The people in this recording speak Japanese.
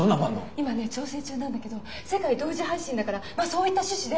今ね調整中なんだけど世界同時配信だからそういった趣旨で。